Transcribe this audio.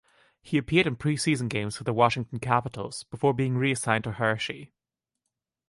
He appeared in pre-season games for the Washington Capitals before being reassigned to Hershey.